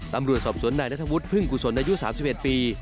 ตำรวจสอบสวนนายนัทวุฒิพึ่งกุศลอายุ๓๑ปี